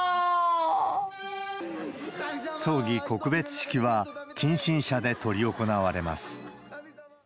葬儀・告別式は、近親者で執り行われます。